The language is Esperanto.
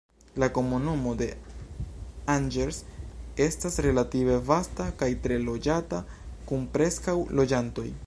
La komunumo de Angers estas relative vasta kaj tre loĝata kun preskaŭ loĝantoj.